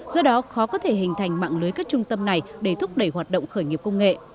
do đó khó có thể hình thành mạng lưới các trung tâm này để thúc đẩy hoạt động khởi nghiệp công nghệ